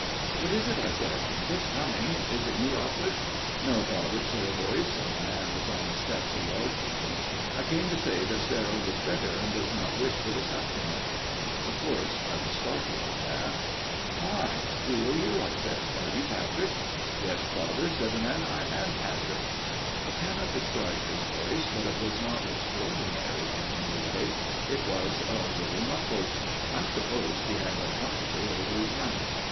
"' What is it ?' I said, ' I am just coming. Is it you, Alfred ?'' No, Father,' said a voice the man was on the steps a yard from me ' I came to say that Sarah was better and does not wish for the Sacraments.' " Of course I was startled at that. 178 A MIRROR OF SHALOTT "' Why ! who are you ?' I said. ' Are you Patrick ?'"' Yes, Father/ said the man, ' I am Patrick.' " I cannot describe his voice, but it was not extraordinary in any way ; it was a little muffled : I supposed he had a comforter over his mouth.